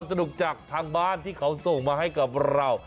สนุกจากทางบ้านที่เขาส่งมาให้กับเรา